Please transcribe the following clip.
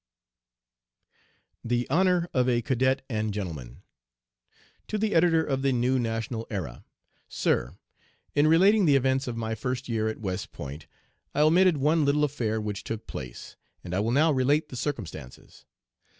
THE HONOR OF A CADET AND GENTLEMAN. To the Editor of the New National Era: "SIR: In relating the events of my first year at West Point, I omitted one little affair which took place, and I will now relate the circumstances.